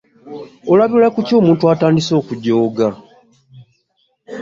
Olabira kuki omuntu atandise okujooga?